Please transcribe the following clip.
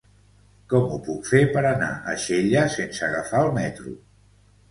Com ho puc fer per anar a Xella sense agafar el metro?